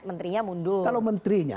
menterinya mundur kalau menterinya